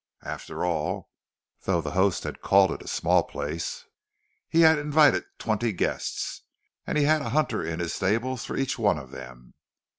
After all, though the host called it a "small" place, he had invited twenty guests, and he had a hunter in his stables for each one of them.